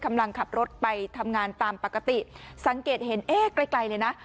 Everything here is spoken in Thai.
กำลังขับรถไปทำงานตามปกติสังเกตเห็นเอ๊ะไกลไกลเลยนะ